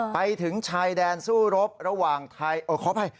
ไปถึงชายแดนสู้รบระหว่างไทยขออภัย